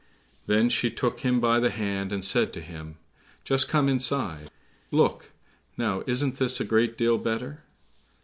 Then she took him by the hand and said to him, "Just come inside, look, now isn't this a great deal better?"